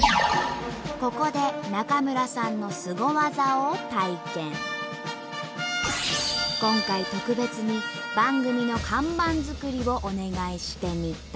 ここで今回特別に番組の看板作りをお願いしてみた。